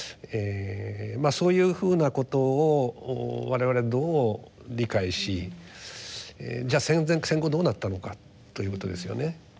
まあそういうふうなことを我々どう理解しじゃあ戦前戦後どうなったのかということですよね。